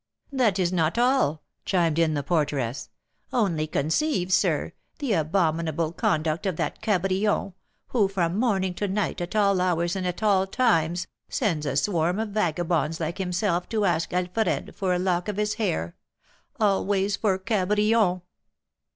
"That is not all," chimed in the porteress. "Only conceive, sir, the abominable conduct of that Cabrion, who, from morning to night, at all hours and at all times, sends a swarm of vagabonds like himself to ask Alfred for a lock of his hair, always for Cabrion!"